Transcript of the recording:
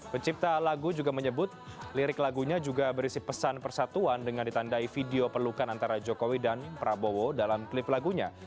pencipta lagu juga menyebut lirik lagunya juga berisi pesan persatuan dengan ditandai video pelukan antara jokowi dan prabowo dalam klip lagunya